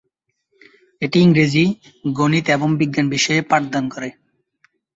এটি ইংরেজি, গণিত এবং বিজ্ঞান বিষয়ে পাঠদান করে।